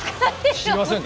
知りませんか？